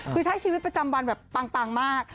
คือใช้ชีวิตประจำวันแบบปังมาก